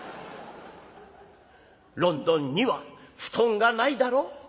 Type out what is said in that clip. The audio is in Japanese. ロンドンには布団がないだろう？